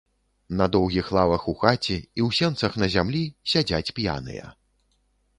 На доўгіх лавах у хаце і ў сенцах на зямлі сядзяць п'яныя.